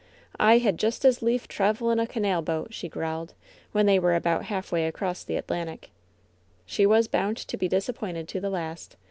^^I had just as lief travel in a canal boat I'' she growled, when they were about halfway across the At lantic. She was bound to be disappointed to the last.